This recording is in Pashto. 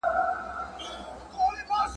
روښانه فکر ناکامي نه جوړوي.